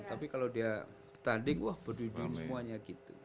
tapi kalau dia pertanding wah berduidung semuanya gitu